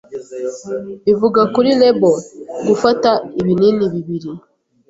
Ivuga kuri label gufata ibinini bibiri.